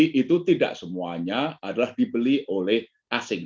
jadi itu tidak semuanya adalah dibeli oleh asing